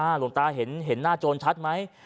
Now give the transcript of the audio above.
หลวงตาเห็นหน้าโจรชัดไหม